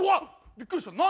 びっくりした何？